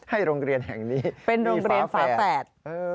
ให้โรงเรียนแห่งนี้มีฝาแฝดเป็นโรงเรียนฝาแฝด